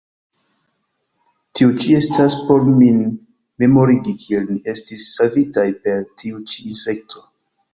Tio ĉi estas, por min memorigi, kiel ni estis savitaj per tiu ĉi insekto.